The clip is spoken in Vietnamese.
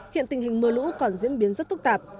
hiện tình hình mưa lũ còn diễn biến rất phức tạp